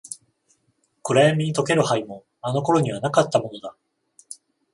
暗闇に溶ける灰も、あの頃にはなかったものだ。